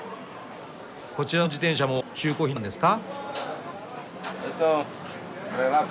こちらの自転車も中古品なんですか？